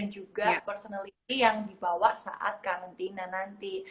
juga personality yang dibawa saat karantina nanti